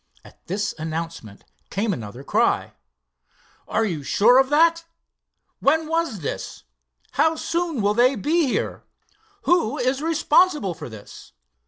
At this announcement came another cry. "You are sure of that?" "When was this?" "How soon will they be here?" "Who is responsible for this?"